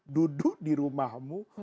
duduk di rumahmu